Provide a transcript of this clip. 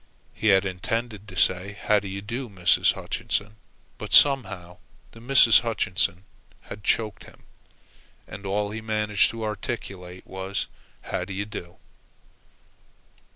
He had intended to say, "How do you do, Mrs. Hutchinson?" but somehow, the Mrs. Hutchinson had choked him, and all he had managed to articulate was the "How do you do?"